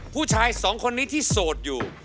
ผู้ชายสองคนนี้ที่โสดอยู่